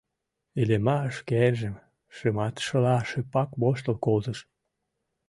Иллимар шкенжым шыматышыла шыпак воштыл колтыш.